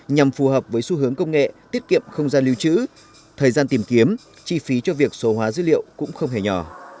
nhằm phù hợp với xu hướng công nghệ tiết kiệm không gian lưu trữ thời gian tìm kiếm chi phí cho việc số hóa dữ liệu cũng không hề nhỏ